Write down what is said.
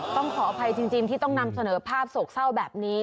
ต้องขออภัยจริงที่ต้องนำเสนอภาพโศกเศร้าแบบนี้